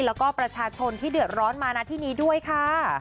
แล้วก็ประชาชนที่เดือดร้อนมานะที่นี้ด้วยค่ะ